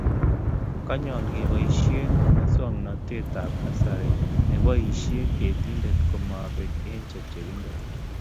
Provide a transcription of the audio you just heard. konyolu keboisye musoknatetab kasari ne boisye ketindet komaa beek eng chepchebindo.